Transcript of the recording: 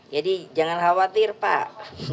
jadi jangan khawatir pak